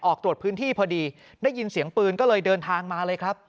ออกตรวจพื้นที่พอดีได้ยินเสียงปืนก็เลยเดินทางมาเลยครับ